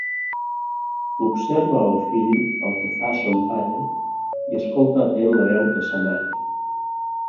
Observa el fill el que fa son pare i escolta atent la veu de sa mare.